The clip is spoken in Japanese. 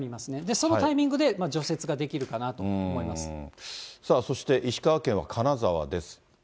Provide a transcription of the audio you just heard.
そのタイミングで除雪ができるかさあ、そして石川県は金沢です。